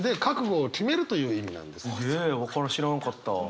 へえ分からん知らんかった。